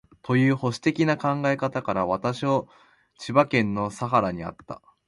という保守的な考えから、私を下総国（千葉県）の佐原にあった